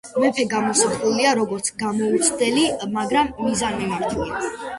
მეფე გამოსახულია როგორც გამოუცდელი, მაგრამ მიზანმიმართული.